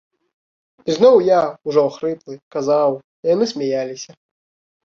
І зноў я, ужо ахрыплы, казаў, а яны смяяліся.